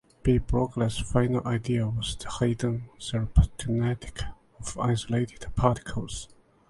De Broglie's final idea was the hidden thermodynamics of isolated particles.